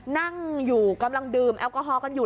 นั่งอยู่กำลังดื่มแอลกอฮอลกันอยู่